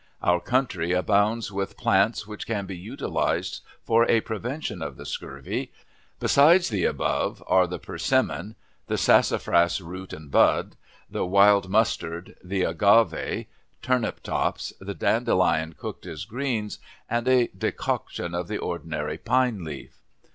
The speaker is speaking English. Our country abounds with plants which can be utilized for a prevention to the scurvy; besides the above are the persimmon, the sassafras root and bud, the wild mustard, the "agave," turnip tops, the dandelion cooked as greens, and a decoction of the ordinary pine leaf.